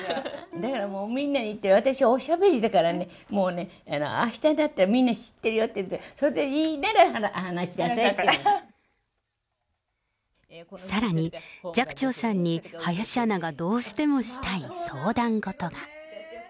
だからみんなに言って、私はおしゃべりだからね、もうね、あしたになったらみんな知ってるよ、それでもいいなら話しなさいってさらに、寂聴さんに林アナがどうしてもしたい相談事が。